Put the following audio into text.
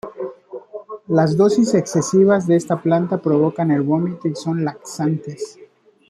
Las dosis excesivas de esta planta provoca el vómito y son laxantes.